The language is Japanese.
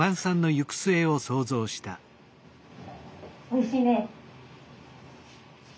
おいしいね。